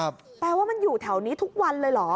แปลว่ามันอยู่แถวนี้ทุกวันเลยเหรอ